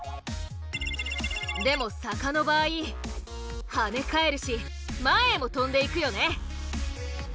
でも坂の場合跳ね返るし前へも飛んでいくよね。